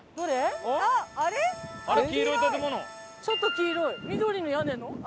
ちょっと黄色い緑の屋根の？